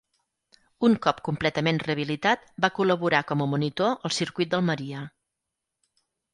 Un cop completament rehabilitat, va col·laborar com a monitor al circuit d'Almeria.